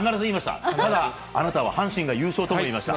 ただ、あなたは阪神が優勝とも言いました。